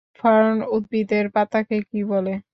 Fern উদ্ভিদের পাতাকে কী বলে?